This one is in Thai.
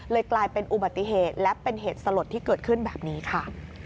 กลายเป็นอุบัติเหตุและเป็นเหตุสลดที่เกิดขึ้นแบบนี้ค่ะ